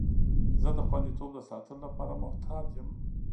زه د خوندیتوب د ساتلو لپاره محتاط یم.